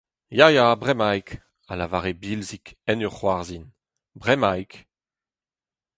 Ya, ya, bremaik ! a lavare Bilzig en ur c’hoarzhin. Bremaik !…